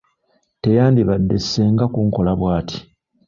Teyandibadde ssenga kunkola bw'atti.